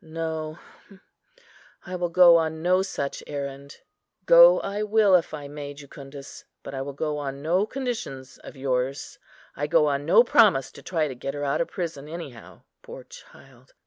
No; I will go on no such errand. Go, I will, if I may, Jucundus, but I will go on no conditions of yours. I go on no promise to try to get her out of prison anyhow, poor child.